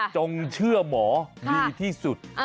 จงเชื่อหมอดีที่สุด